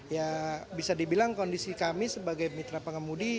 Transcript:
ya bisa dibilang kondisi kami sebagai mitra pengemudi